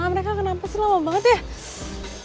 mereka kenapa sih lama banget ya